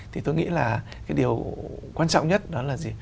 thì tôi nghĩ là cái điều quan trọng nhất đó là gì